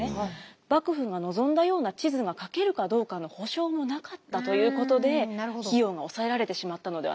幕府が望んだような地図が書けるかどうかの保証もなかったということで費用が抑えられてしまったのではないかとされています。